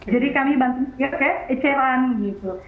jadi kami bantu kayak eceran gitu